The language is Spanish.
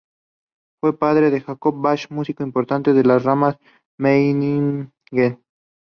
Fue padre de Jacob Bach, músico importante de la rama de Meiningen.